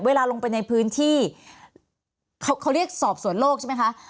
เวลาลงไปในพื้นที่เขาเรียกสอบสวนโลกใช่ไหมคะ